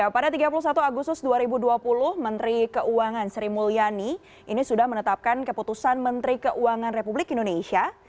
pada tiga puluh satu agustus dua ribu dua puluh menteri keuangan sri mulyani ini sudah menetapkan keputusan menteri keuangan republik indonesia